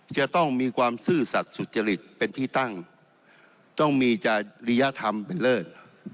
จะต้องมีความซื่อสัตว์สุจริตเป็นที่ตั้งต้องมีจริยธรรมเป็นเลิศ